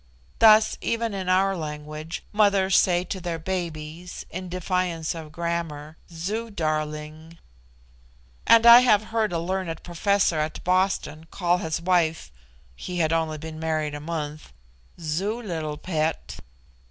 Thus, even in our language, mothers say to their babies, in defiance of grammar, "Zoo darling;" and I have heard a learned professor at Boston call his wife (he had been only married a month) "Zoo little pet."